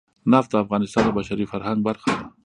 نفت د افغانستان د بشري فرهنګ برخه ده.